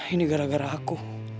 ini gara gara aku